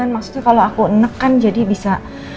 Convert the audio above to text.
maksudnya kalau aku nek kan jadi bisa